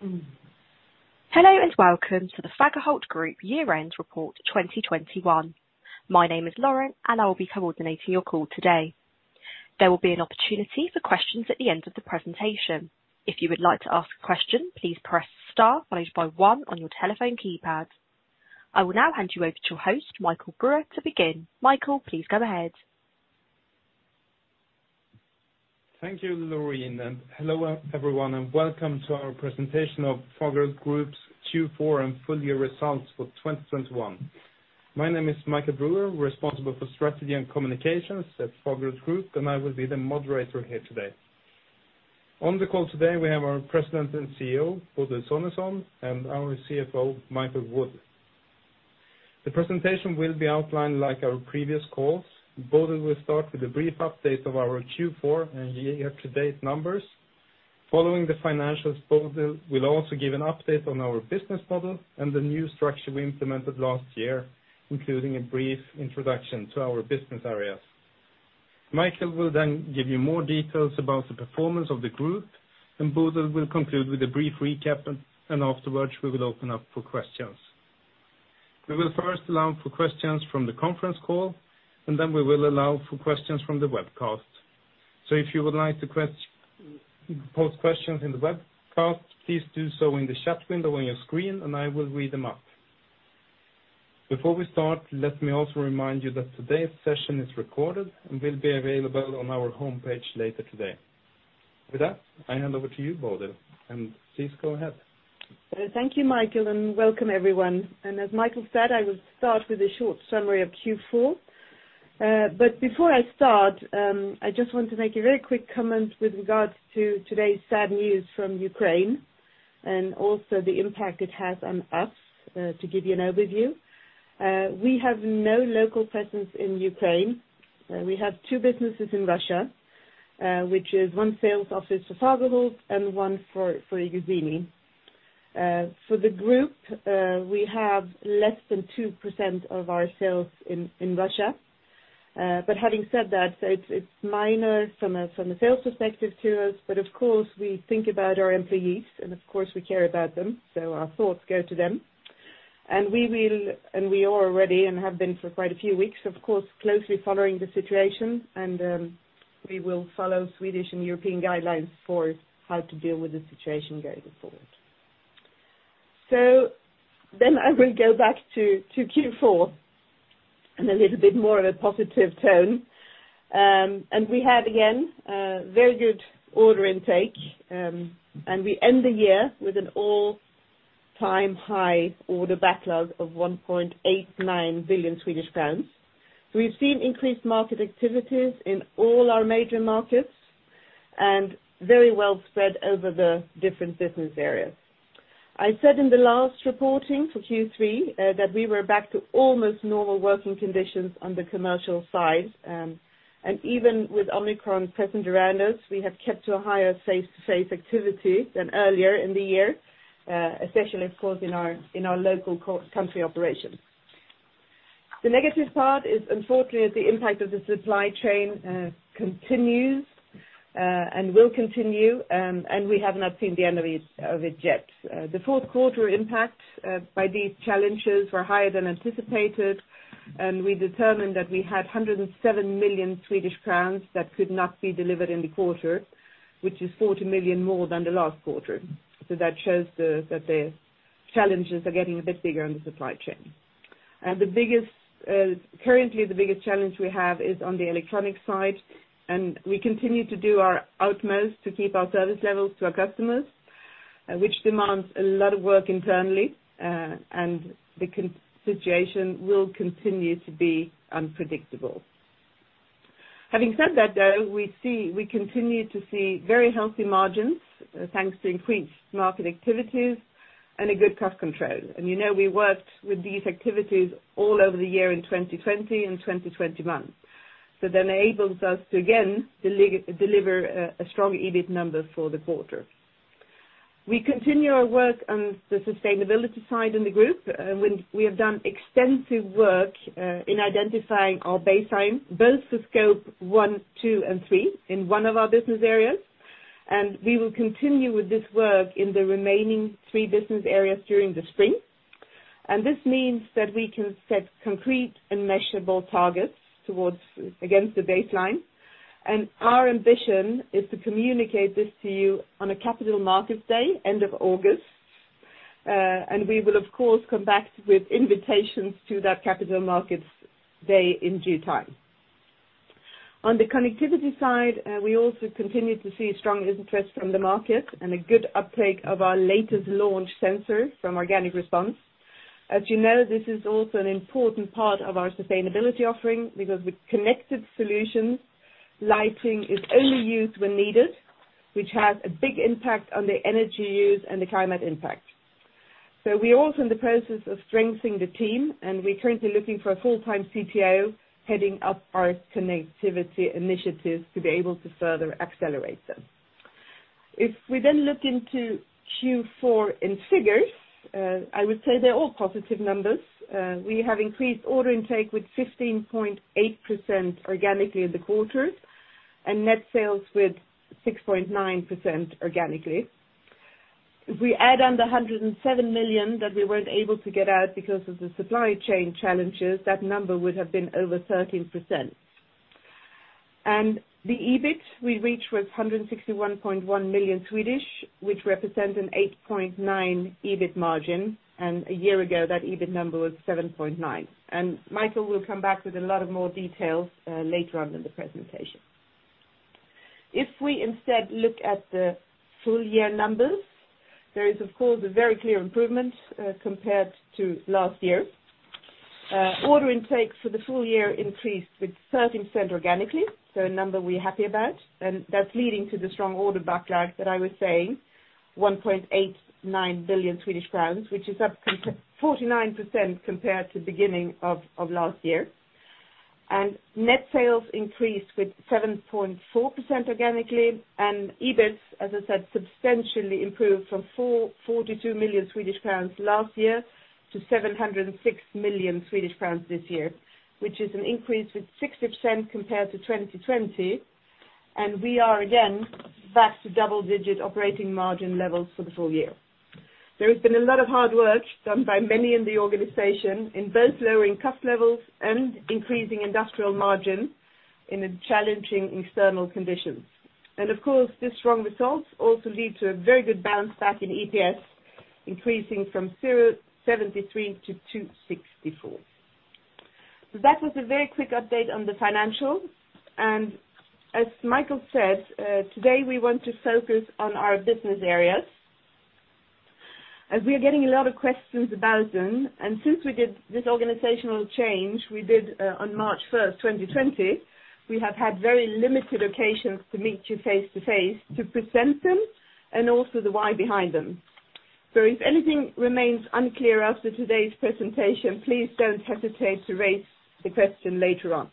Hello, and Welcome to the Fagerhult Group Year-End Report 2021. My name is Lauren, and I will be coordinating your call today. There will be an opportunity for questions at the end of the presentation. If you would like to ask a question, please press star followed by 1 on your telephone keypad. I will now hand you over to your host, Michael Brüer, to begin. Michael, please go ahead. Thank you, Lauren, and hello everyone, and Welcome to our presentation of Fagerhult Group's Q4 and full year results for 2021. My name is Michael Brüer, responsible for strategy and communications at Fagerhult Group, and I will be the moderator here today. On the call today, we have our President and CEO, Bodil Sonesson, and our CFO, Michael Wood. The presentation will be outlined like our previous calls. Bodil will start with a brief update of our Q4 and year-to-date numbers. Following the financials, Bodil will also give an update on our business model and the new structure we implemented last year, including a brief introduction to our business areas. Michael will then give you more details about the performance of the group, and Bodil will conclude with a brief recap, and afterwards we will open up for questions. We will first allow for questions from the conference call, and then we will allow for questions from the webcast. If you would like to post questions in the webcast, please do so in the chat window on your screen, and I will read them up. Before we start, let me also remind you that today's session is recorded and will be available on our homepage later today. With that, I hand over to you, Bodil, and please go ahead. Thank you, Michael, and welcome everyone. As Michael said, I will start with a short summary of Q4. Before I start, I just want to make a very quick comment with regards to today's sad news from Ukraine and also the impact it has on us to give you an overview. We have no local presence in Ukraine. We have two businesses in Russia, which is one sales office for Fagerhult and one for iGuzzini. For the group, we have less than 2% of our sales in Russia. Having said that, it's minor from a sales perspective to us, but of course we think about our employees and of course we care about them, so our thoughts go to them. We will and we are already and have been for quite a few weeks, of course, closely following the situation and we will follow Swedish and European guidelines for how to deal with the situation going forward. I will go back to Q4 and a little bit more of a positive tone. We had, again, a very good order intake, and we end the year with an all-time high order backlog of SEK 1.89 billion. We've seen increased market activities in all our major markets and very well spread over the different business areas. I said in the last reporting for Q3, that we were back to almost normal working conditions on the commercial side, and even with Omicron present around us, we have kept to a higher face-to-face activity than earlier in the year, especially of course, in our local country operations. The negative part is unfortunately, the impact of the supply chain continues, and will continue, and we have not seen the end of it yet. The fourth quarter impact by these challenges were higher than anticipated, and we determined that we had 107 million Swedish crowns that could not be delivered in the quarter, which is 40 million more than the last quarter. That shows that the challenges are getting a bit bigger in the supply chain. Currently the biggest challenge we have is on the electronic side, and we continue to do our utmost to keep our service levels to our customers, which demands a lot of work internally, and the situation will continue to be unpredictable. Having said that, though, we continue to see very healthy margins, thanks to increased market activities and a good cost control. You know, we worked with these activities all over the year in 2020 and 2021. That enables us to again, deliver a strong EBIT number for the quarter. We continue our work on the sustainability side in the group, when we have done extensive work in identifying our baseline, both for Scope 1, 2, and 3 in one of our business areas, and we will continue with this work in the remaining three business areas during the spring. This means that we can set concrete and measurable targets against the baseline. Our ambition is to communicate this to you on a capital markets day, end of August. We will of course come back with invitations to that capital markets day in due time. On the connectivity side, we also continue to see strong interest from the market and a good uptake of our latest launch sensor from Organic Response. As you know, this is also an important part of our sustainability offering because with connected solutions, lighting is only used when needed, which has a big impact on the energy use and the climate impact. We are also in the process of strengthening the team, and we're currently looking for a full-time CTO heading up our connectivity initiatives to be able to further accelerate them. If we then look into Q4 in figures, I would say they're all positive numbers. We have increased order intake with 15.8% organically in the quarter and net sales with 6.9% organically. If we add on the 107 million that we weren't able to get out because of the supply chain challenges, that number would have been over 13%. The EBIT we reached was 161.1 million, which represents an 8.9% EBIT margin. A year ago, that EBIT number was 7.9%. Michael will come back with a lot more details later on in the presentation. If we instead look at the full year numbers, there is of course a very clear improvement compared to last year. Order intakes for the full year increased with 13% organically, so a number we're happy about. That's leading to the strong order backlog that I was saying, 1.89 billion Swedish crowns, which is up 49% compared to beginning of last year. Net sales increased with 7.4% organically and EBIT, as I said, substantially improved from 442 million Swedish crowns last year to 706 million Swedish crowns this year, which is an increase with 60% compared to 2020. We are again back to double-digit operating margin levels for the full year. There has been a lot of hard work done by many in the organization in both lowering cost levels and increasing industrial margin in the challenging external conditions. Of course, these strong results also lead to a very good bounce back in EPS, increasing from 0.73-2.64. That was a very quick update on the financials. As Michael said, today we want to focus on our business areas, as we are getting a lot of questions about them. Since we did this organizational change on March 1st, 2020, we have had very limited occasions to meet you face-to-face to present them and also the why behind them. If anything remains unclear after today's presentation, please don't hesitate to raise the question later on.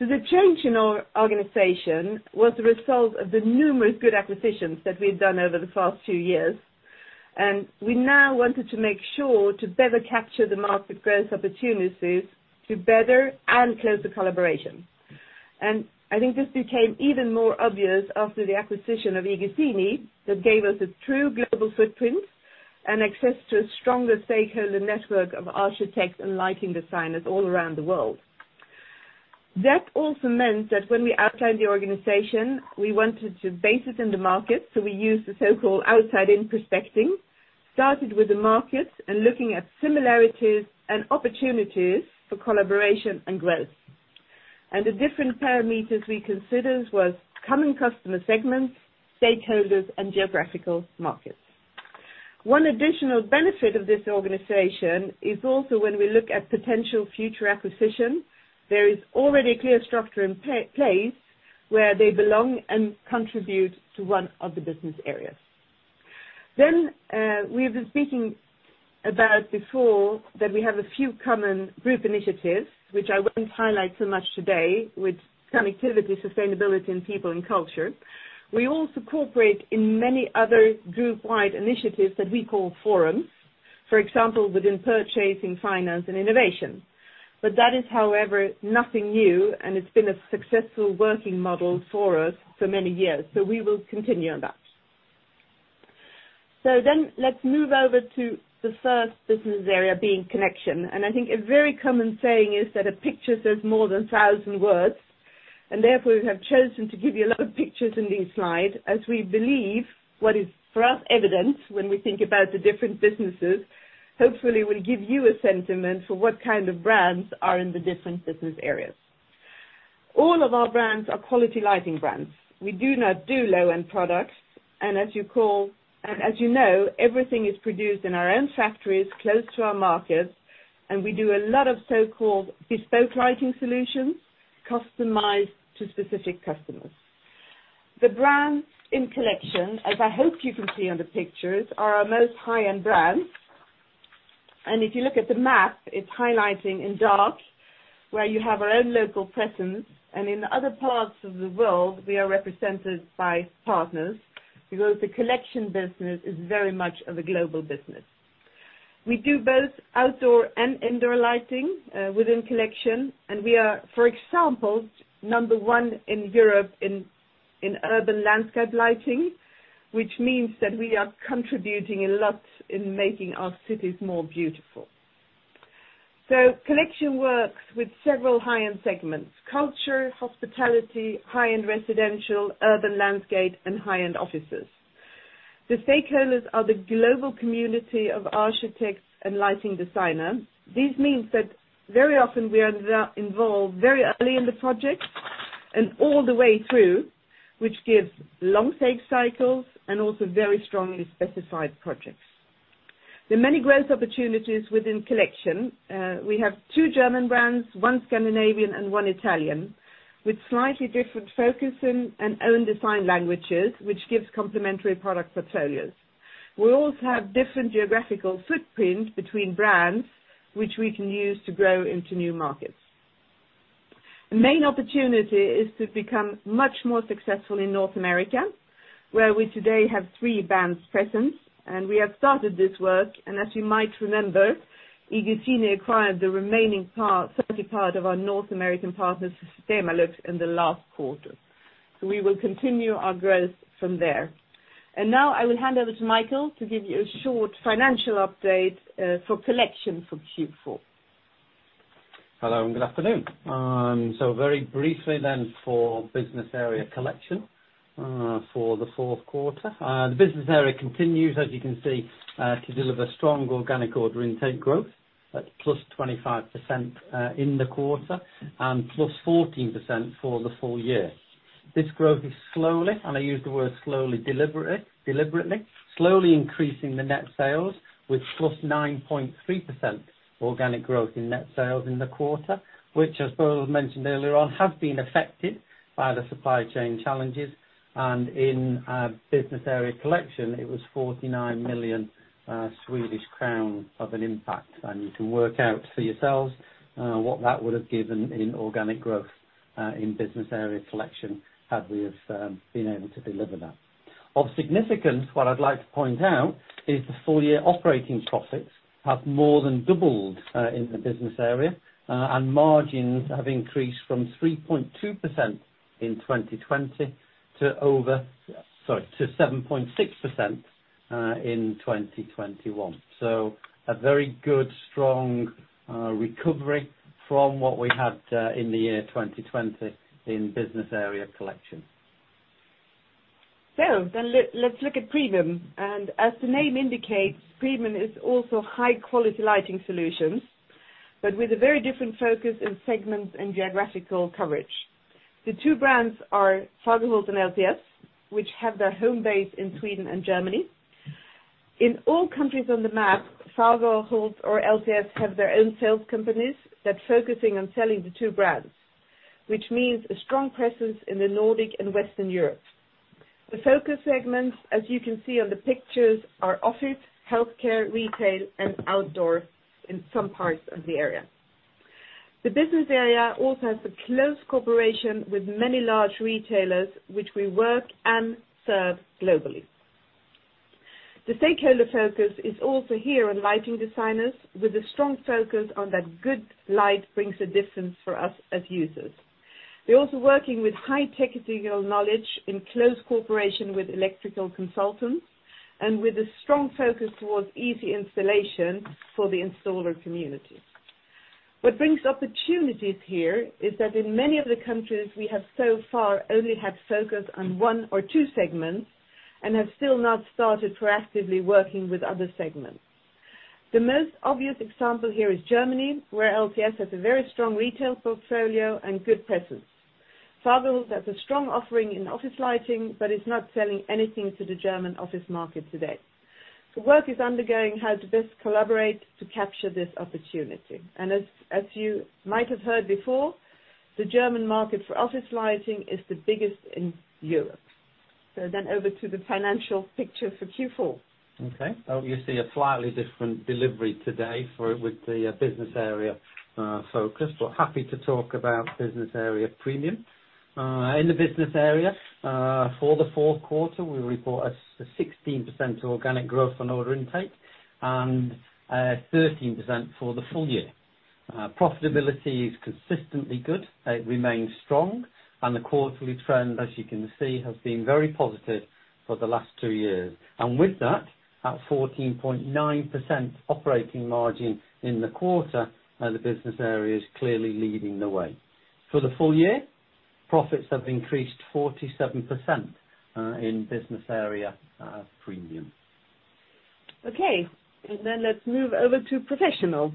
The change in our organization was the result of the numerous good acquisitions that we've done over the past two years. We now wanted to make sure to better capture the market growth opportunities to better and closer collaboration. I think this became even more obvious after the acquisition of iGuzzini, that gave us a true global footprint and access to a stronger stakeholder network of architects and lighting designers all around the world. That also meant that when we outlined the organization, we wanted to base it in the market, so we used the so-called outside in prospecting, started with the market and looking at similarities and opportunities for collaboration and growth. The different parameters we considered was common customer segments, stakeholders, and geographical markets. One additional benefit of this organization is also when we look at potential future acquisitions, there is already a clear structure in place where they belong and contribute to one of the business areas. We've been speaking about before that we have a few common group initiatives, which I won't highlight so much today with connectivity, sustainability, and people and culture. We also cooperate in many other group-wide initiatives that we call forums. For example, within purchasing, finance, and innovation. That is, however, nothing new, and it's been a successful working model for us for many years. We will continue on that. Let's move over to the first business area being Collection. I think a very common saying is that a picture says more than a thousand words. Therefore, we have chosen to give you a lot of pictures in these slides as we believe what is for us evidence when we think about the different businesses, hopefully will give you a sentiment for what kind of brands are in the different business areas. All of our brands are quality lighting brands. We do not do low-end products. As you know, everything is produced in our own factories close to our markets, and we do a lot of so-called bespoke lighting solutions customized to specific customers. The brands in Collection, as I hope you can see on the pictures, are our most high-end brands. If you look at the map, it's highlighting in dark where you have our own local presence. In other parts of the world, we are represented by partners because the Collection business is very much of a global business. We do both outdoor and indoor lighting within Collection, and we are, for example, number one in Europe in urban landscape lighting, which means that we are contributing a lot in making our cities more beautiful. Collection works with several high-end segments, culture, hospitality, high-end residential, urban landscape, and high-end offices. The stakeholders are the global community of architects and lighting designers. This means that very often we are there involved very early in the project and all the way through, which gives long sales cycles and also very strongly specified projects. There are many growth opportunities within Collection. We have two German brands, one Scandinavian and one Italian, with slightly different focusing and own design languages, which gives complementary product portfolios. We also have different geographical footprint between brands, which we can use to grow into new markets. The main opportunity is to become much more successful in North America, where we today have three brands present, and we have started this work. As you might remember, iGuzzini acquired the remaining part, second part of our North American partners, Sistemalux, in the last quarter. We will continue our growth from there. Now I will hand over to Michael to give you a short financial update for Collection for Q4. Hello, and good afternoon. Very briefly, for business area Collection, for the fourth quarter. The business area continues, as you can see, to deliver strong organic order intake growth. That's +25% in the quarter and +14% for the full year. This growth is slowly, and I use the word slowly, deliberately, slowly increasing the net sales with +9.3% organic growth in net sales in the quarter, which as Bo mentioned earlier on, have been affected by the supply chain challenges. In our business area Collection, it was 49 million Swedish crown of an impact. You can work out for yourselves what that would have given in organic growth in business area Collection had we have been able to deliver that. Of significance, what I'd like to point out is the full year operating profits have more than doubled in the business area, and margins have increased from 3.2% in 2020 to 7.6% in 2021. A very good, strong recovery from what we had in the year 2020 in business area Collection. Let's look at Premium. As the name indicates, Premium is also high-quality lighting solutions, but with a very different focus in segments and geographical coverage. The two brands are Fagerhult and LTS, which have their home base in Sweden and Germany. In all countries on the map, Fagerhult or LTS have their own sales companies that's focusing on selling the two brands, which means a strong presence in the Nordic and Western Europe. The focus segments, as you can see on the pictures, are office, healthcare, retail, and outdoor in some parts of the area. The business area also has a close cooperation with many large retailers, which we work and serve globally. The stakeholder focus is also here on lighting designers with a strong focus on that good light brings a difference for us as users. We're also working with high technical knowledge in close cooperation with electrical consultants and with a strong focus towards easy installation for the installer community. What brings opportunities here is that in many of the countries we have so far only had focus on one or two segments and have still not started proactively working with other segments. The most obvious example here is Germany, where LTS has a very strong retail portfolio and good presence. Fagerhult has a strong offering in office lighting but is not selling anything to the German office market today. The work is ongoing how to best collaborate to capture this opportunity. As you might have heard before, the German market for office lighting is the biggest in Europe. Over to the financial picture for Q4. Okay. You see a slightly different delivery today for the business area focus. We're happy to talk about business area Premium. In the business area, for the fourth quarter, we report a 16% organic growth on order intake and a 13% for the full year. Profitability is consistently good. It remains strong and the quarterly trend, as you can see, has been very positive for the last two years. With that, at 14.9% operating margin in the quarter, the business area is clearly leading the way. For the full year, profits have increased 47% in business area Premium. Let's move over to Professional.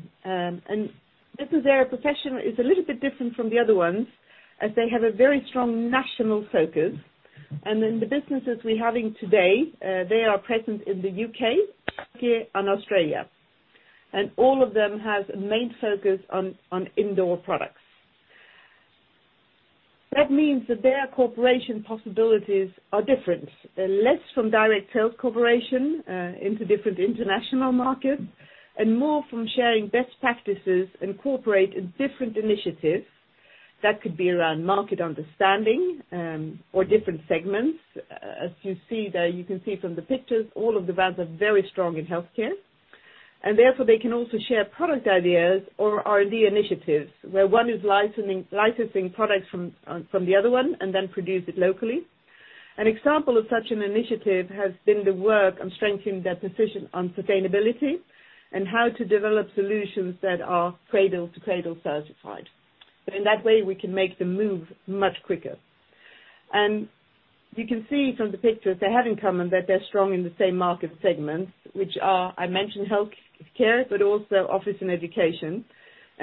Business Area Professional is a little bit different from the other ones as they have a very strong national focus. The businesses we're having today, they are present in the U.K. and Australia, and all of them have a main focus on indoor products. That means that their cooperation possibilities are different. They're less from direct sales cooperation into different international markets and more from sharing best practices and cooperate in different initiatives that could be around market understanding or different segments. As you see there, you can see from the pictures, all of the brands are very strong in healthcare, and therefore they can also share product ideas or R&D initiatives where one is licensing products from the other one and then produce it locally. An example of such an initiative has been the work on strengthening their position on sustainability and how to develop solutions that are Cradle to Cradle certified. In that way, we can make them move much quicker. You can see from the pictures they have in common that they're strong in the same market segments, which are, I mentioned healthcare, but also office and education.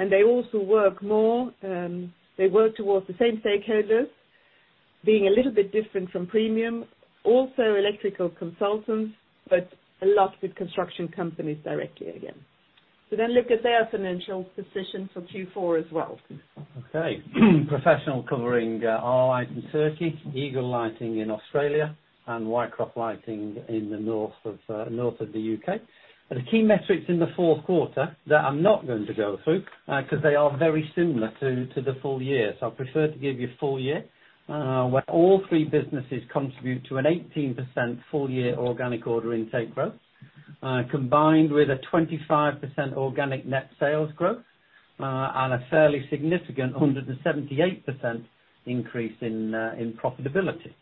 They also work towards the same stakeholders being a little bit different from Premium, also electrical consultants, but a lot with construction companies directly again. Look at their financial position for Q4 as well. Okay. Professional covering Arlight in Turkey, Eagle Lighting in Australia, and Whitecroft Lighting in the north of the U.K.. The key metrics in the fourth quarter that I'm not going to go through cause they are very similar to the full year. I prefer to give you full year where all three businesses contribute to an 18% full year organic order intake growth combined with a 25% organic net sales growth and a fairly significant 178% increase in profitability.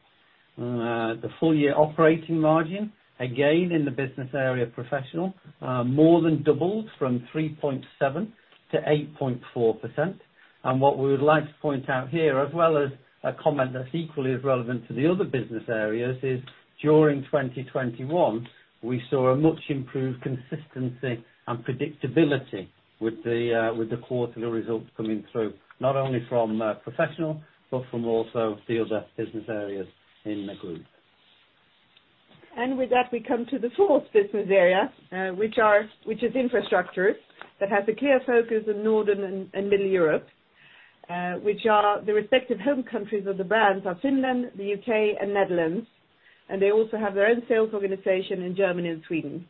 The full year operating margin, again, in the business area Professional, more than doubled from 3.7%-8.4%. What we would like to point out here, as well as a comment that's equally as relevant to the other business areas, is during 2021, we saw a much-improved consistency and predictability with the quarterly results coming through, not only from Professional, but also from the other business areas in the group. With that, we come to the fourth business area, which is Infrastructure that has a clear focus on Northern and Middle Europe, which are the respective home countries of the brands are Finland, the U.K., and Netherlands. They also have their own sales organization in Germany and Sweden.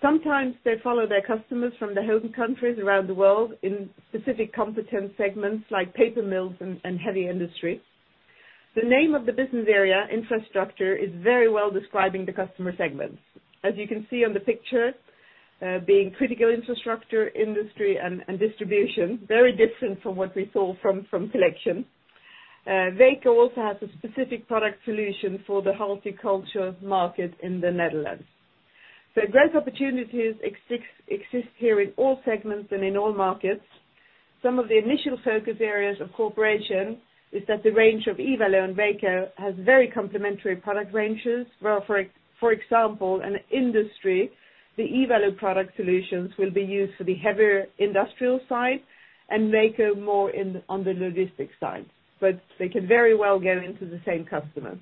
Sometimes they follow their customers from their home countries around the world in specific competence segments like paper mills and heavy industry. The name of the business area, Infrastructure, is very well describing the customer segments. As you can see on the picture, being critical infrastructure industry and distribution, very different from what we saw from Collection. WE-EF also has a specific product solution for the horticulture market in the Netherlands. Growth opportunities exist here in all segments and in all markets. Some of the initial focus areas of corporation is that the range of I-Valo and WE-EF has very complementary product ranges. Well, for example, in industry, the I-Valo product solutions will be used for the heavier industrial side, and WE-EF more on the logistic side. They can very well go into the same customer.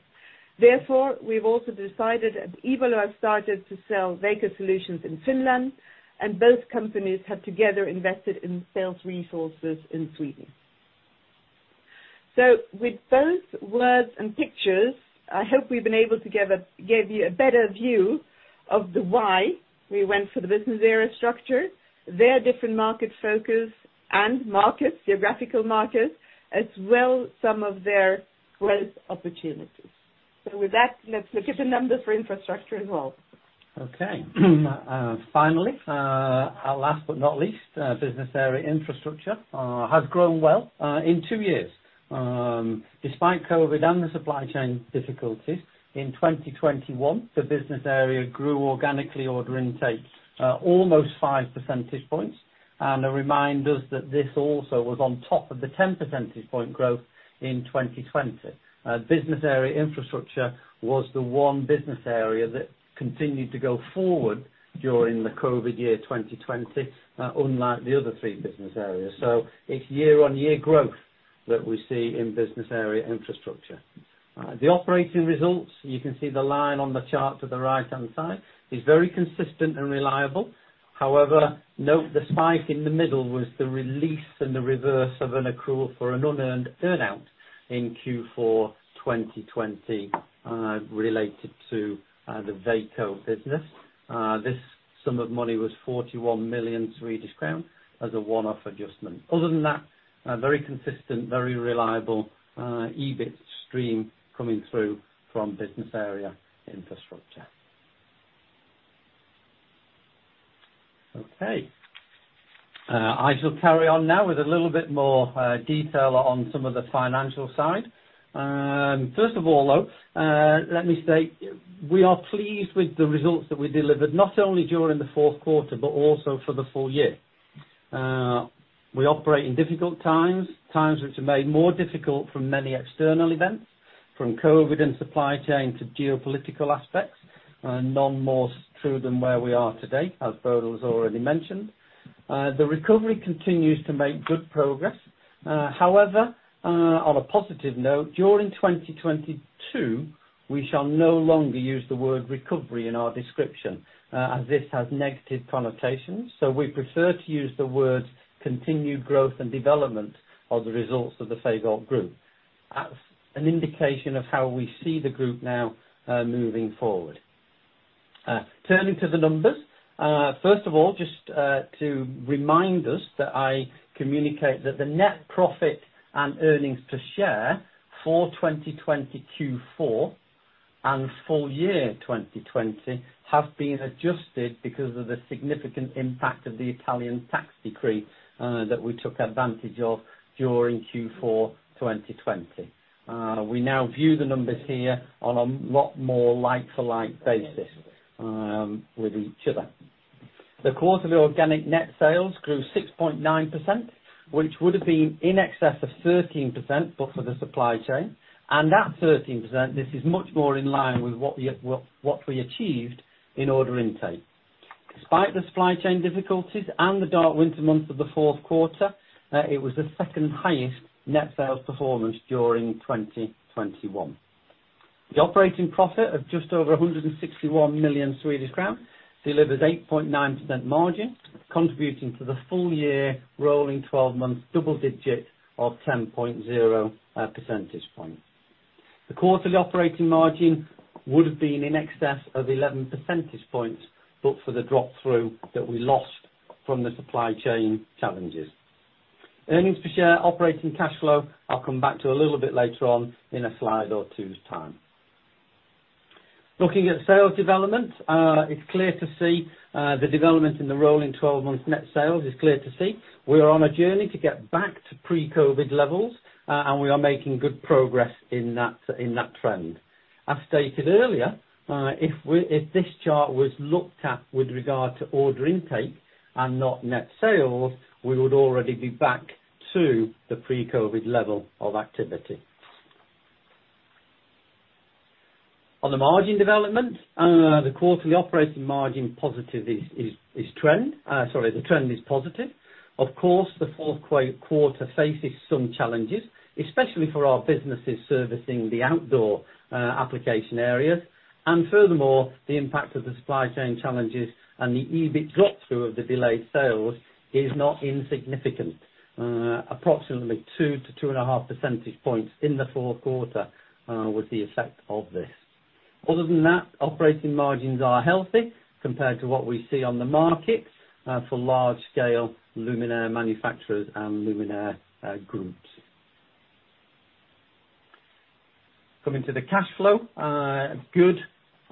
Therefore, we've also decided that I-Valo has started to sell WE-EF solutions in Finland, and both companies have together invested in sales resources in Sweden. With both words and pictures, I hope we've been able to give you a better view of why we went for the business area structure, their different market focus and markets, geographical markets, as well as some of their growth opportunities. With that, let's look at the numbers for Infrastructure as well. Okay. Finally, last but not least, Business Area Infrastructure has grown well in two years. Despite COVID and the supply chain difficulties, in 2021, the business area grew organically order intake almost 5 percentage points. A reminder that this also was on top of the 10-percentage point growth in 2020. Business Area Infrastructure was the one business area that continued to go forward during the COVID year, 2020, unlike the other three business areas. Its year-on-year growth that we see in Business Area Infrastructure. The operating results, you can see the line on the chart to the right-hand side, is very consistent and reliable. However, note the spike in the middle was the release and the reverse of an accrual for an unearned earn-out in Q4 2020 related to the WE-EF business. This sum of money was 41 million Swedish crown as a one-off adjustment. Other than that, a very consistent, very reliable EBIT stream coming through from Business Area Infrastructure. Okay. I shall carry on now with a little bit more detail on some of the financial side. First of all, though, let me say, we are pleased with the results that we delivered, not only during the fourth quarter, but also for the full year. We operate in difficult times which are made more difficult from many external events, from COVID and supply chain to geopolitical aspects, none more true than where we are today, as Bodil has already mentioned. The recovery continues to make good progress. However, on a positive note, during 2022, we shall no longer use the word recovery in our description, as this has negative connotations. We prefer to use the words continued growth and development of the results of the Fagerhult Group. That's an indication of how we see the group now, moving forward. Turning to the numbers, first of all, just to remind us that I communicate that the net profit and earnings per share for 2020 Q4 and full year 2020 have been adjusted because of the significant impact of the Italian tax decree that we took advantage of during Q4 2020. We now view the numbers here on a lot more like-for-like basis with each other. The quarterly organic net sales grew 6.9%, which would have been in excess of 13%, but for the supply chain and that 13%, this is much more in line with what we achieved in order intake. Despite the supply chain difficulties and the dark winter months of the fourth quarter, it was the second highest net sales performance during 2021. The operating profit of just over 161 million Swedish crowns delivers 8.9% margin, contributing to the full year rolling 12 months double digit of 10.0 percentage points. The quarterly operating margin would have been in excess of 11 percentage points, but for the drop through that we lost from the supply chain challenges. Earnings per share, operating cash flow, I'll come back to a little bit later on in a slide or two's time. Looking at sales development, it's clear to see the development in the rolling twelve months net sales is clear to see. We are on a journey to get back to pre-COVID levels, and we are making good progress in that trend. As stated earlier, if this chart was looked at with regard to order intake and not net sales, we would already be back to the pre-COVID level of activity. On the margin development, the quarterly operating margin positive is trend. Sorry, the trend is positive. Of course, the fourth quarter faces some challenges, especially for our businesses servicing the outdoor application areas. Furthermore, the impact of the supply chain challenges and the EBIT drop through of the delayed sales is not insignificant. Approximately 2-2.5 percentage points in the fourth quarter with the effect of this. Other than that, operating margins are healthy compared to what we see on the market for large scale luminaire manufacturers and luminaire groups. Coming to the cash flow, good.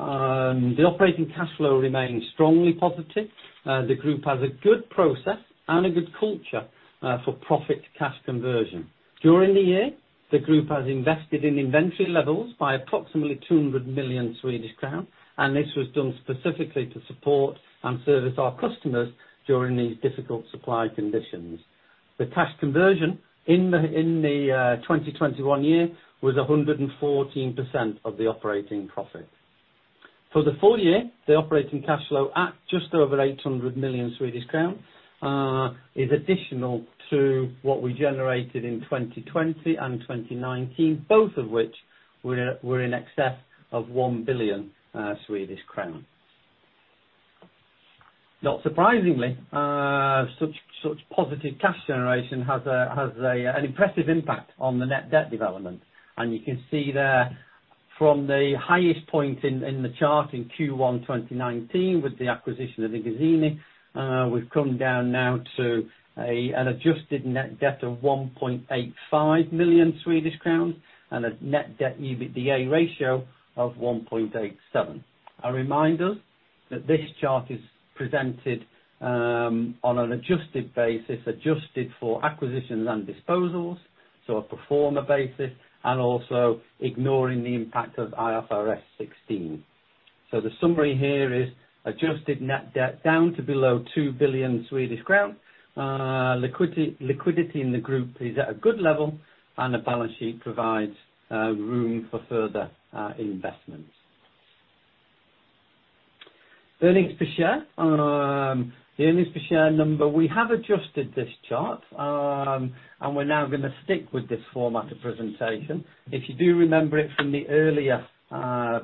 The operating cash flow remains strongly positive. The group has a good process and a good culture for profit cash conversion. During the year, the group has invested in inventory levels by approximately 200 million Swedish crown, and this was done specifically to support and service our customers during these difficult supply conditions. The cash conversion in the 2021 year was 114% of the operating profit. For the full year, the operating cash flow at just over 800 million Swedish crown is additional to what we generated in 2020 and 2019, both of which were in excess of 1 billion Swedish crown. Not surprisingly, such positive cash generation has an impressive impact on the net debt development. You can see there from the highest point in the chart in Q1 2019 with the acquisition of iGuzzini, we've come down now to an adjusted net debt of 1.85 million Swedish crowns and a net debt EBITDA ratio of 1.87. A reminder that this chart is presented on an adjusted basis, adjusted for acquisitions and disposals, so a pro forma basis, and also ignoring the impact of IFRS 16. The summary here is adjusted net debt down to below 2 billion Swedish crown. Liquidity in the group is at a good level, and the balance sheet provides room for further investments. Earnings per share. The earnings per share number, we have adjusted this chart, and we're now gonna stick with this format of presentation. If you do remember it from the earlier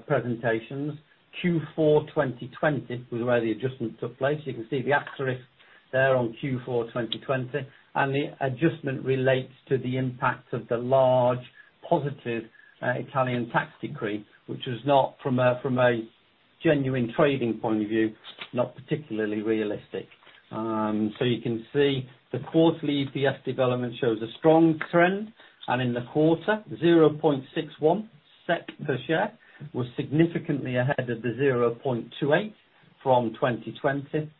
presentations, Q4 2020 was where the adjustment took place. You can see the asterisk there on Q4 2020, and the adjustment relates to the impact of the large positive Italian tax decree, which is not from a genuine trading point of view not particularly realistic. You can see the quarterly EPS development shows a strong trend, and in the quarter, 0.61 SEK per share was significantly ahead of the 0.28 from 2020.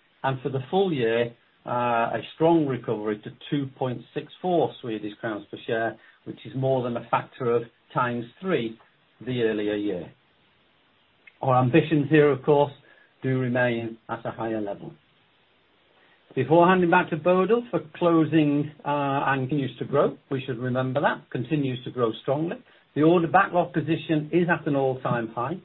For the full year, a strong recovery to 2.64 Swedish crowns per share, which is more than a factor of x3 the earlier year. Our ambitions here, of course, do remain at a higher level. Before handing back to Bodil for closing, we should remember that it continues to grow strongly. The order backlog position is at an all-time high.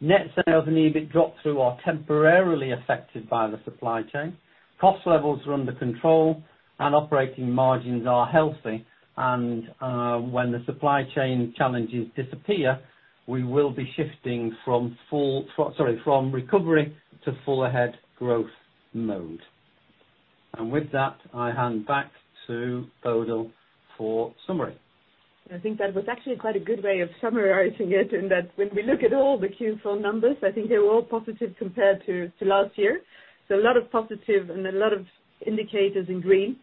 Net sales and EBIT drop through are temporarily affected by the supply chain. Cost levels are under control and operating margins are healthy. When the supply chain challenges disappear, we will be shifting from recovery to full ahead growth mode. With that, I hand back to Bodil for summary. I think that was actually quite a good way of summarizing it in that when we look at all the Q4 numbers, I think they were all positive compared to last year. A lot of positive and a lot of indicators in green.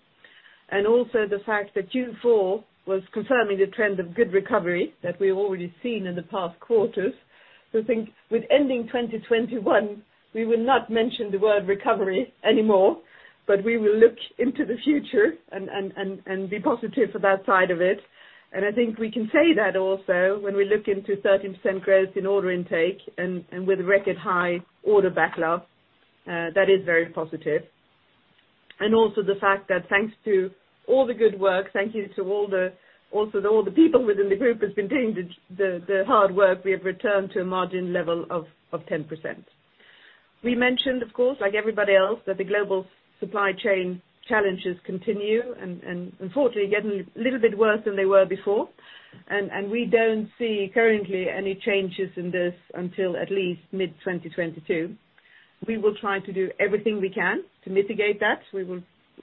Also, the fact that Q4 was confirming the trend of good recovery that we've already seen in the past quarters. I think with ending 2021, we will not mention the word recovery anymore, but we will look into the future and be positive about side of it. I think we can say that also when we look into 13% growth in order intake and with record high order backlog, that is very positive. Also, the fact that thanks to all the good work, thank you to all the also all the people within the group who's been doing the hard work, we have returned to a margin level of 10%. We mentioned, of course, like everybody else, that the global supply chain challenges continue and unfortunately getting a little bit worse than they were before. We don't see currently any changes in this until at least mid-2022. We will try to do everything we can to mitigate that. We will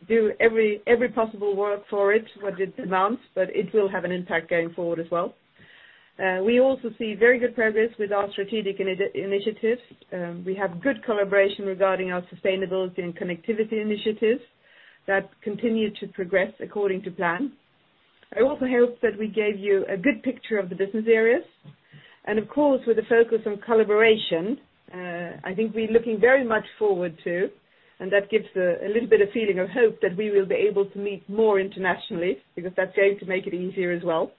do every possible work for it, what it demands, but it will have an impact going forward as well. We also see very good progress with our strategic initiative. We have good collaboration regarding our sustainability and connectivity initiatives that continue to progress according to plan. I also hope that we gave you a good picture of the business areas. Of course, with the focus on collaboration, I think we're looking very much forward to, and that gives a little bit of feeling of hope that we will be able to meet more internationally because that's going to make it easier as well.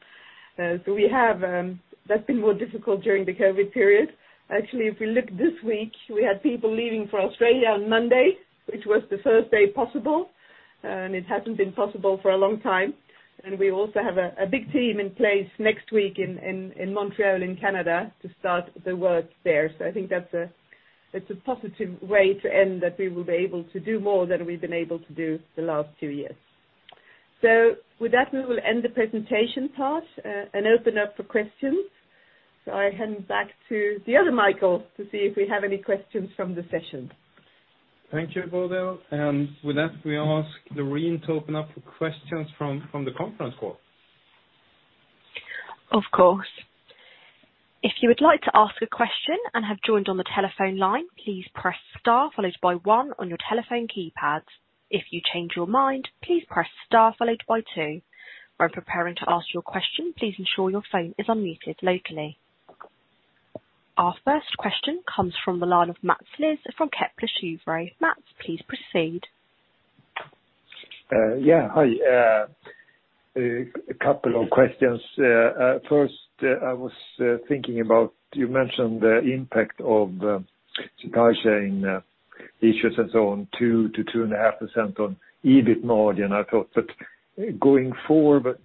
That's been more difficult during the COVID period. Actually, if we look this week, we had people leaving for Australia on Monday, which was the first day possible, and it hasn't been possible for a long time. We also have a big team in place next week in Montreal, in Canada to start the work there. I think that's a, it's a positive way to end that we will be able to do more than we've been able to do the last two years. With that, we will end the presentation part and open up for questions. I hand back to the other Michael to see if we have any questions from the session. Thank you, Bodil. With that, we ask Lauren to open up for questions from the conference call. Of course. If you would like to ask a question and have joined on the telephone line, please press star followed by one on your telephone keypads. If you change your mind, please press star followed by two. When preparing to ask your question, please ensure your phone is unmuted locally. Our first question comes from the line of Mats Liss from Kepler Cheuvreux. Mats, please proceed. Yeah. Hi. A couple of questions. First, I was thinking about you mentioned the impact of supply chain issues and so on, 2%-2.5% on EBIT margin. I thought that going forward, but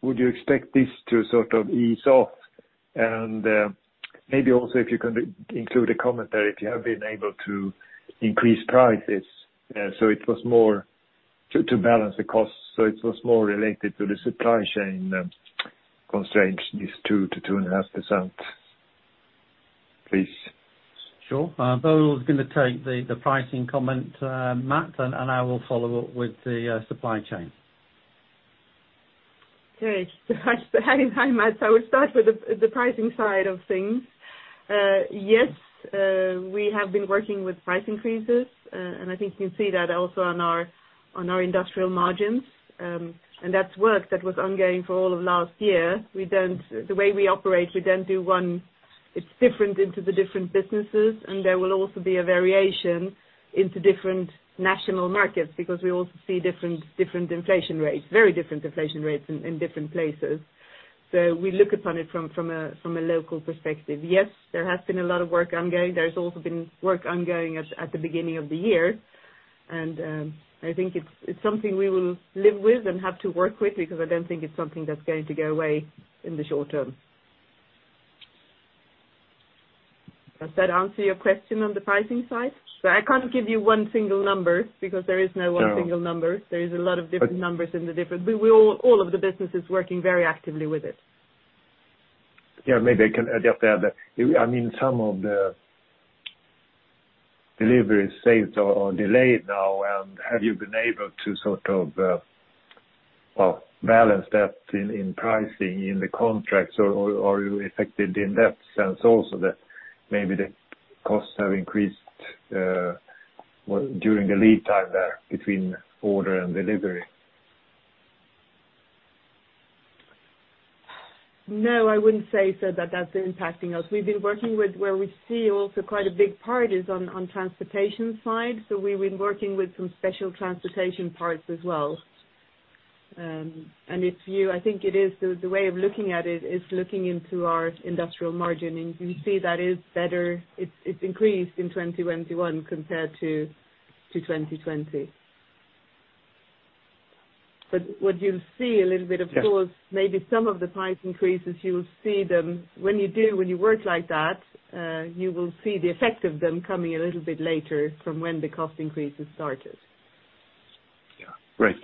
would you expect this to sort of ease off? Maybe also if you can include a commentary if you have been able to increase prices so it was more to balance the costs, so it was more related to the supply chain constraints, this 2%-2.5%, please. Sure. Bodil's going to take the pricing comment, Mats, and I will follow up with the supply chain. Okay. Hi, Mats. I will start with the pricing side of things. Yes, we have been working with price increases, and I think you can see that also on our industrial margins. That's work that was ongoing for all of last year. The way we operate, we don't do one. It's different in the different businesses, and there will also be a variation in the different national markets because we also see different inflation rates, very different inflation rates in different places. We look upon it from a local perspective. Yes, there has been a lot of work ongoing. There's also been work ongoing at the beginning of the year. I think it's something we will live with and have to work with because I don't think it's something that's going to go away in the short term. Does that answer your question on the pricing side? I can't give you one single number because there is no one single number. No. We, all of the businesses, are working very actively with it. Yeah, maybe I can add up there that, I mean, some of the deliveries so are delayed now. Have you been able to sort of, well, balance that in pricing in the contracts? Or are you affected in that sense also that maybe the costs have increased during the lead time there between order and delivery? No, I wouldn't say that that's impacting us. We've been working with where we see also quite a big part is on transportation side. We've been working with some special transportation parts as well. I think it is the way of looking at it is looking into our industrial margin. You see that is better. It's increased in 2021 compared to 2020. What you'll see a little bit of. Yes. Of course, maybe some of the price increases, you'll see them. When you do, when you work like that, you will see the effect of them coming a little bit later from when the cost increases started. Yeah. Great.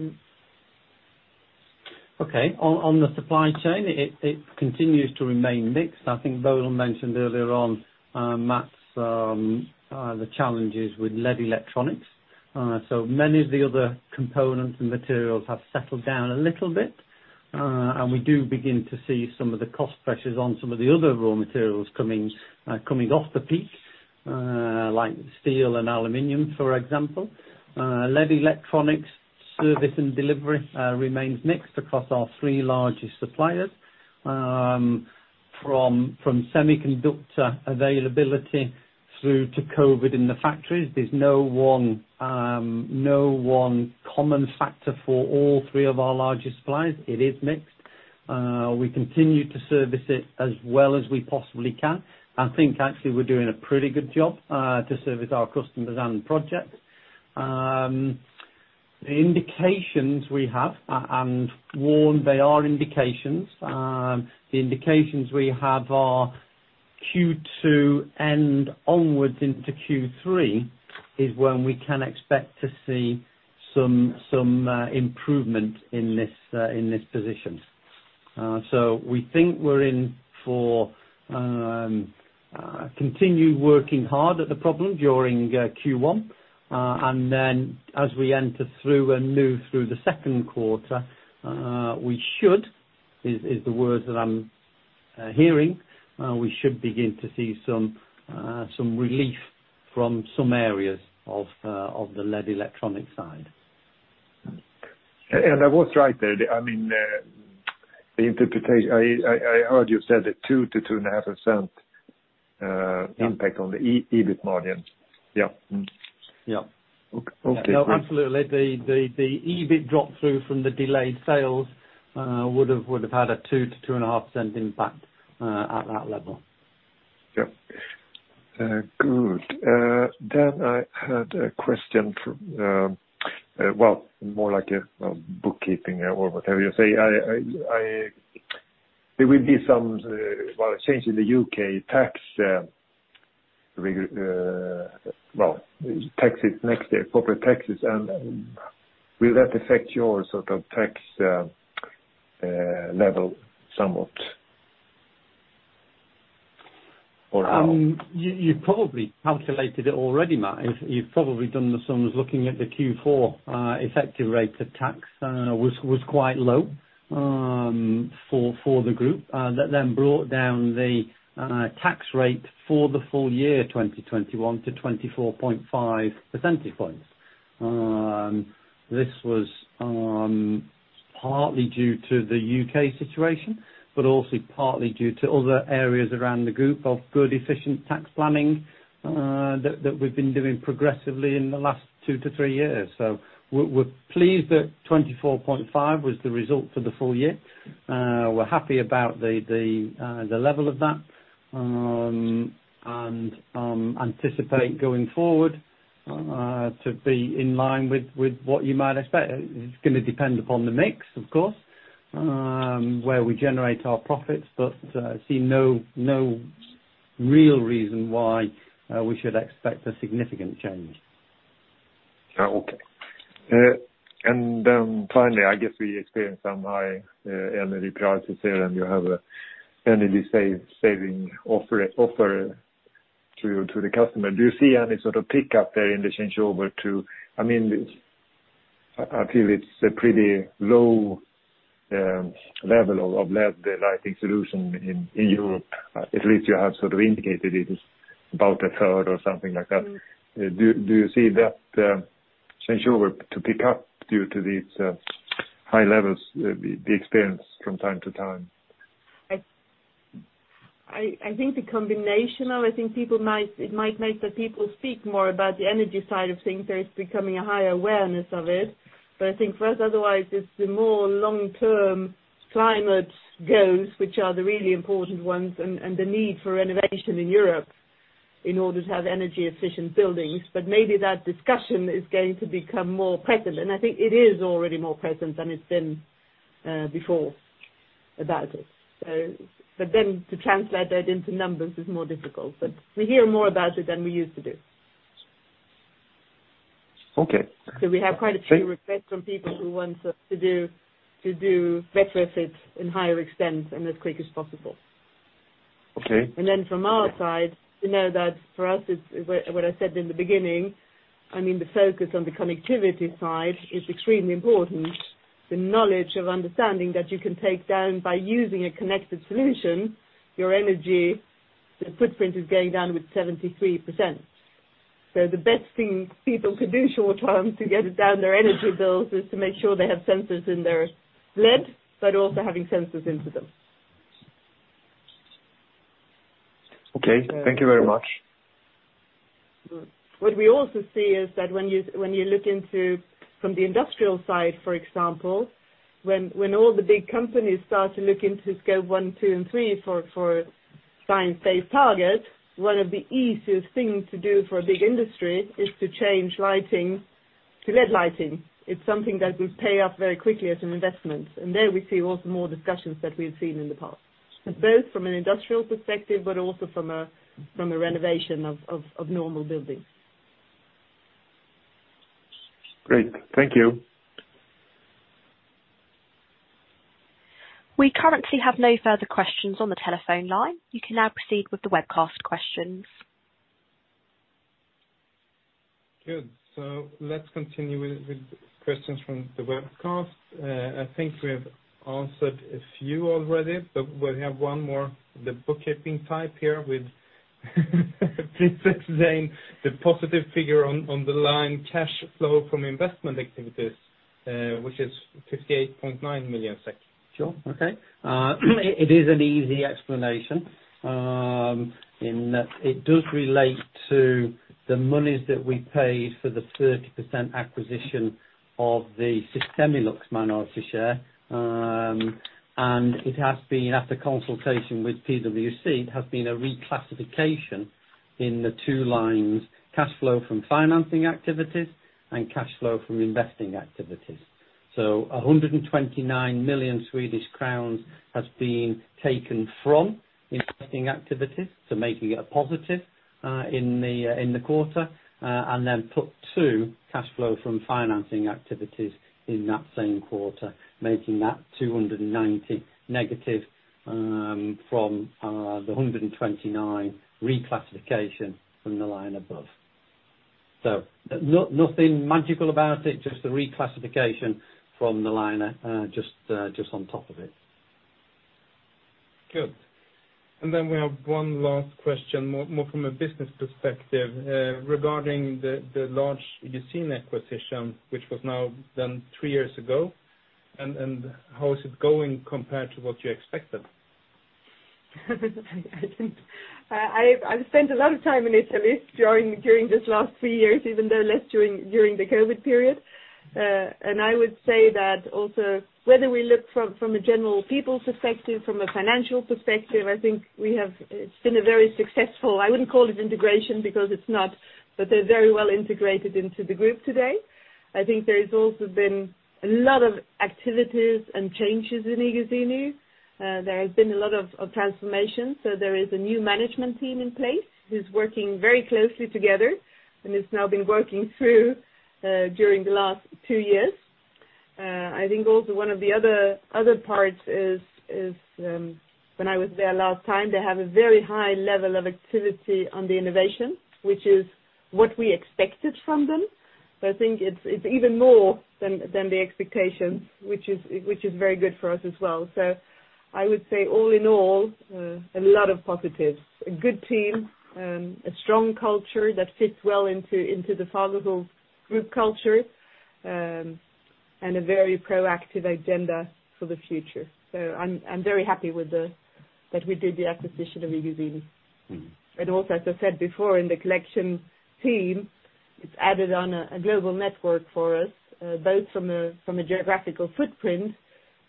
Mm-hmm. Okay. On the supply chain, it continues to remain mixed. I think Bodil mentioned earlier on, Mats, the challenges with LED electronics. So many of the other components and materials have settled down a little bit, and we do begin to see some of the cost pressures on some of the other raw materials coming off the peaks, like steel and aluminum, for example. LED electronics service and delivery remain mixed across our three largest suppliers, from semiconductor availability through to COVID in the factories. There's no one common factor for all three of our largest suppliers. It is mixed. We continue to service it as well as we possibly can. I think actually we're doing a pretty good job to service our customers and projects. The indications we have and warn they are indications. The indications we have are Q2 and onwards into Q3, when we can expect to see some improvement in this position. We think we're in for continued working hard at the problem during Q1. Then as we enter through and move through the second quarter, the words that I'm hearing, we should begin to see some relief from some areas of the LED electronic side. I was right there. I mean, the interpretation I heard you said that 2%-2.5% impact on the EBIT margin. Yeah. Yeah. Okay. No, absolutely. The EBIT drop through from the delayed sales would have had a 2%-2.5% impact at that level. Yep. Good. I had a question from, well, more like a bookkeeping or whatever you say. There will be some change in the U.K. tax, well, taxes next year, corporate taxes. Will that affect your sort of tax level somewhat? Or no? You probably calculated it already, Mats. You've probably done the sums. Looking at the Q4 effective rate of tax was quite low for the group. That then brought down the tax rate for the full year, 2021 to 24.5 percentage points. This was partly due to the U.K. situation, but also partly due to other areas around the group of good efficient tax planning that we've been doing progressively in the last two to three years. We're pleased that 24.5 was the result for the full year. We're happy about the level of that and anticipate going forward to be in line with what you might expect. It's gonna depend upon the mix, of course, where we generate our profits, but I see no real reason why we should expect a significant change. Yeah. Okay. Then finally, I guess we experienced some high energy prices there, and you have an energy saving offer to the customer. Do you see any sort of pickup there in the changeover to I mean, I feel it's a pretty low level of LED lighting solution in Europe. At least you have sort of indicated it is about a third or something like that. Do you see that change over to pick up due to these high levels, the experience from time to time? I think it might make the people speak more about the energy side of things, so it's becoming a higher awareness of it. But I think first otherwise, it's the more long-term climate goals, which are the really important ones, and the need for renovation in Europe in order to have energy efficient buildings. But maybe that discussion is going to become more present, and I think it is already more present than it's been before about it. To translate that into numbers is more difficult, but we hear more about it than we used to do. Okay. We have quite a few requests from people who want to do retrofits in higher extents and as quick as possible. Okay. From our side, you know that for us, it's what I said in the beginning, I mean, the focus on the connectivity side is extremely important. The knowledge of understanding that you can take down by using a connected solution, your energy footprint is going down with 73%. The best thing people could do short-term to get down their energy bills is to make sure they have sensors in their LED but also having sensors into them. Okay. Thank you very much. What we also see is that when you look into it from the industrial side, for example, when all the big companies start to look into Scope 1, 2, and 3 for Science Based Targets, one of the easiest things to do for a big industry is to change lighting to LED lighting. It's something that will pay off very quickly as an investment. There we see also more discussions that we've seen in the past, both from an industrial perspective but also from a renovation of normal buildings. Great. Thank you. We currently have no further questions on the telephone line. You can now proceed with the webcast questions. Good. Let's continue with questions from the webcast. I think we have answered a few already, but we have one more, the bookkeeping type here with please explain the positive figure on the line cash flow from investment activities, which is 58.9 million SEK. Sure. Okay. It is an easy explanation, in that it does relate to the monies that we paid for the 30% acquisition of the Sistemalux minority share. It has been, after consultation with PwC, a reclassification in the two lines, cash flow from financing activities and cash flow from investing activities. 129 million Swedish crowns has been taken from investing activities, making it a positive in the quarter, and then put to cash flow from financing activities in that same quarter, making that -290 from the 129 reclassifications from the line above. Nothing magical about it, just a reclassification from the line just on top of it. Good. We have one last question, more from a business perspective, regarding the large iGuzzini acquisition, which was now done three years ago, and how is it going compared to what you expected? I think I've spent a lot of time in Italy during this last three years, even though less during the COVID period. I would say that also, whether we look from a general people perspective, from a financial perspective, I think we have. It's been a very successful, I wouldn't call it integration because it's not, but they're very well integrated into the group today. I think there's also been a lot of activities and changes in iGuzzini. There has been a lot of transformation. There is a new management team in place who's working very closely together and has now been working through during the last two years. I think also one of the other parts is when I was there last time, they have a very high level of activity on the innovation, which is what we expected from them. I think it's even more than the expectations, which is very good for us as well. I would say all in all, a lot of positives. A good team, a strong culture that fits well into the Fagerhult Group culture, and a very proactive agenda for the future. I'm very happy with that we did the acquisition of iGuzzini. Mm-hmm. As I said before in the Collection team, it's added on a global network for us, both from a geographical footprint,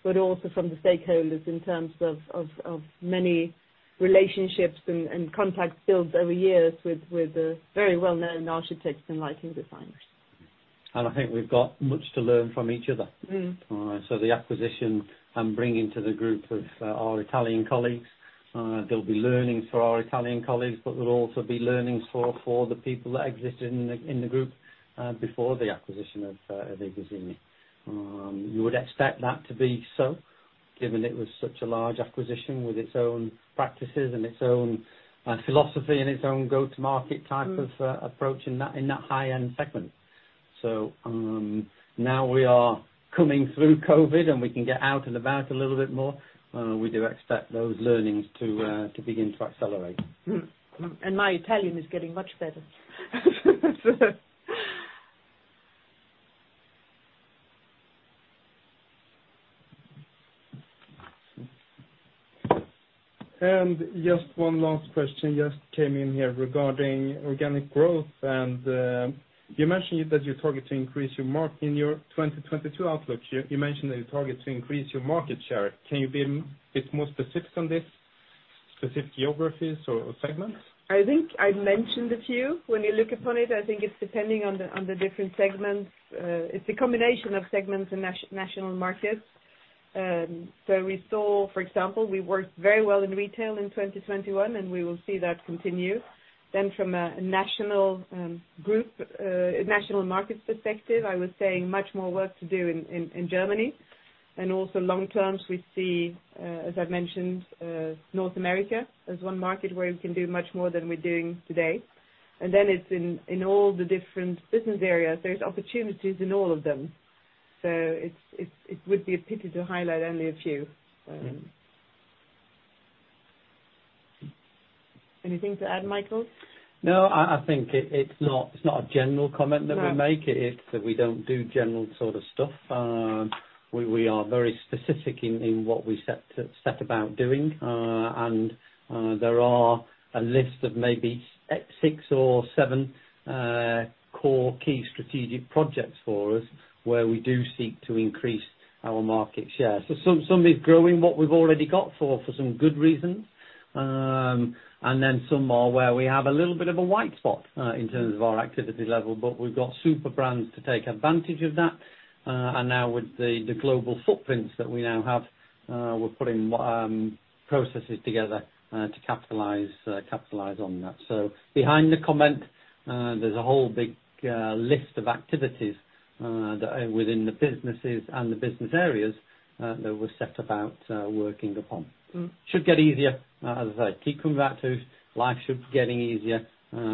but also from the stakeholders in terms of many relationships and contacts built over years with very well-known architects and lighting designers. I think we've got much to learn from each other. Mm-hmm. The acquisition and bringing to the group of our Italian colleagues, there'll be learnings for our Italian colleagues, but there'll also be learnings for the people that existed in the group before the acquisition of iGuzzini. You would expect that to be so, given it was such a large acquisition with its own practices and its own philosophy and its own go-to-market type- Mm. of approach in that high-end segment. Now we are coming through COVID, and we can get out and about a little bit more, we do expect those learnings to begin to accelerate. My Italian is getting much better. Just one last question just came in here regarding organic growth and in your 2022 outlook, you mentioned that you target to increase your market share. Can you be a bit more specific on this? Specific geographies or segments? I think I mentioned a few. When you look upon it, I think it's depending on the different segments. It's a combination of segments and national markets. We saw, for example, we worked very well in retail in 2021, and we will see that continue. From a national market's perspective, I would say much more work to do in Germany and also long term, we see, as I've mentioned, North America as one market where we can do much more than we're doing today. It's in all the different business areas; there's opportunities in all of them. It would be a pity to highlight only a few. Anything to add, Michael? No, I think it's not a general comment that we make. No. It's that we don't do general sort of stuff. We are very specific in what we set about doing. There are a list of maybe 6 or 7 core key strategic projects for us where we do seek to increase our market share. Some is growing what we've already got for some good reasons. Some are where we have a little bit of a white spot in terms of our activity level, but we've got super brands to take advantage of that. Now with the global footprints that we now have, we're putting processes together to capitalize on that. Behind the comment, there's a whole big list of activities within the businesses and the business areas that we're set about working upon. Mm. Should get easier. As I say, keep coming back to life should be getting easier,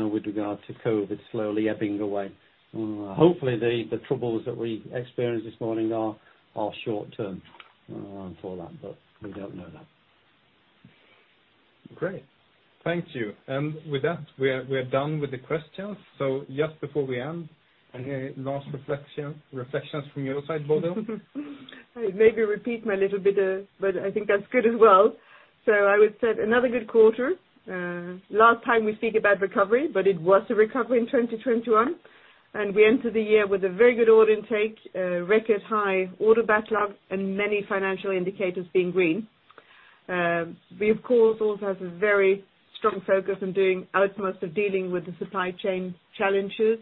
with regard to COVID slowly ebbing away. Hopefully the troubles that we experience this morning are short-term, for that, but we don't know that. Great. Thank you. With that, we are done with the questions. Just before we end, any last reflections from your side, Bodil? I maybe repeat my little bit, but I think that's good as well. I would say another good quarter. Last time we speak about recovery, but it was a recovery in 2021, and we entered the year with a very good order intake, a record high order backlog, and many financial indicators being green. We of course also have a very strong focus on doing utmost of dealing with the supply chain challenges.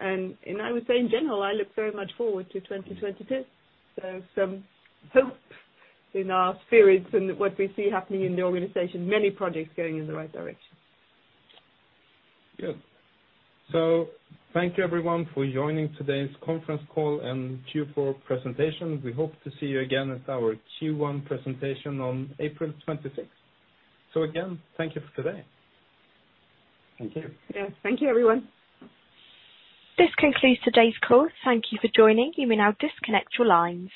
I would say in general; I look very much forward to 2022. Some hope in our spirits and what we see happening in the organization, many projects going in the right direction. Good. Thank you everyone for joining today's conference call and Q4 presentation. We hope to see you again at our Q1 presentation on April 26, 2021. Again, thank you for today. Thank you. Yes. Thank you, everyone. This concludes today's call. Thank you for joining. You may now disconnect your lines.